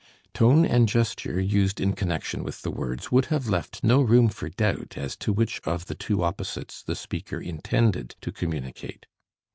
Tone and gesture used in connection with the words would have left no room for doubt as to which of the two opposites the speaker intended to communicate.